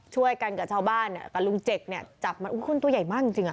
ช่วยกันกับชาวบ้านอ่ะกับรุงเจ็กเนี้ยจับมาอู้ยคนตัวใหญ่มากจริงจริงอ่ะ